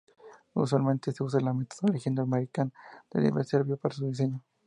Usualmente se usa la metodología norteamericana del "Nivel de Servicio" para su diseño.